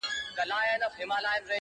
خیال دي.